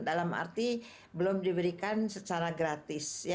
dalam arti belum diberikan secara gratis